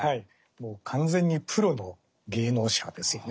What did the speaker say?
もう完全にプロの芸能者ですよね。